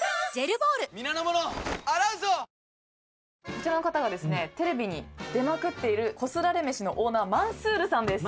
こちらの方がテレビに出まくっているこすられめしのオーナーマンスールさんです。